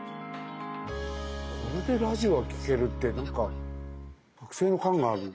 これでラジオが聴けるってなんか隔世の感がある。